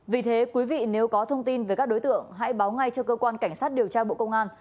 vì thế quý vị nếu có thông tin về các đối tượng hãy báo ngay cho cơ quan cảnh sát điều tra bộ công an